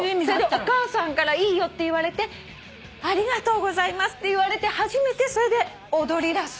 お母さんから「いいよ」って言われて「ありがとうございます」って言われて初めてそれで踊りだす。